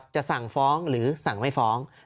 จะสั่งฟ้องหรือสั่งไม่ฟ้อง